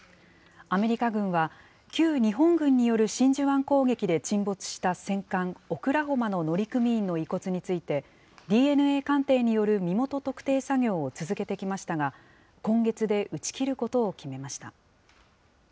アメリカ軍は、旧日本軍による真珠湾攻撃で沈没した戦艦オクラホマの乗組員の遺骨について、ＤＮＡ鑑定による身元特定作業を続けてきましたが、今月で打ち切ることを決めました。